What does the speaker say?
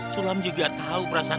sulam juga tau perasaan mak